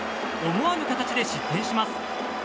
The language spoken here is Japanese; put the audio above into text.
思わぬ形で失点します。